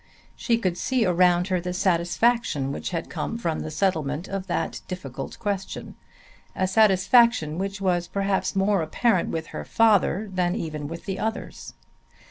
She could see around her the satisfaction which had come from the settlement of that difficult question, a satisfaction which was perhaps more apparent with her father than even with the others.